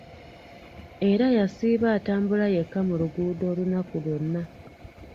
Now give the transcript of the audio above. Era yasiiba atambula yekka mu luguudo olunaku lwonna.